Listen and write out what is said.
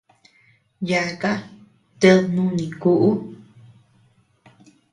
Yaka, ted nuni kuʼu.